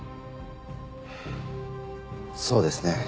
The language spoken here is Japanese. はあそうですね。